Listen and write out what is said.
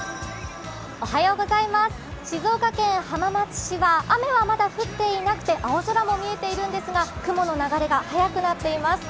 静岡県浜松市は雨はまだ降っていなくて青空も見えているんですが、雲の流れが早くなっています。